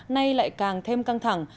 nay lại càng thêm căng thẳng